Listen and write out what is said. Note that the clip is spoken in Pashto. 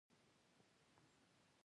د ژوند ارزښت د سترګو له لارې درک کېږي